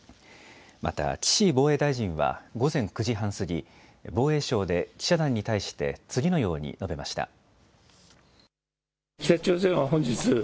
また岸防衛大臣は午前９時半過ぎ防衛省で記者団に対して次のように述べました。